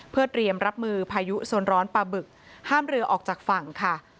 เพื่อเตรียมรับมือพายุโซนร้อนปลาบึกห้ามเรือออกจากฝั่งค่ะ